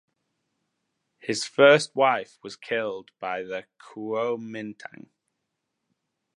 His first wife was killed by the Kuomintang.